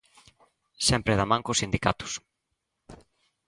Sempre da man cos sindicatos.